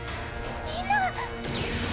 みんな！